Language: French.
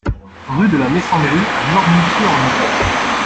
Rue de la Messandrie à Noirmoutier-en-l'Île